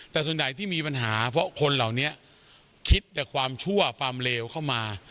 แต่ส่วนใหญ่ที่มีปัญหาเพราะคนเหล่านี้คิดแต่ความชั่วความเลวเข้ามา